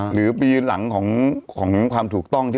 หรือปีหลังของความถูกต้อง